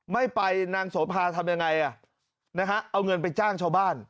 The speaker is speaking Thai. ไม่ไปนางโสภาทำยังไงอ่ะนะฮะเอาเงินไปจ้างชาวบ้าน